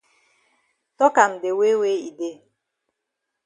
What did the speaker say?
Tok am de way wey e dey.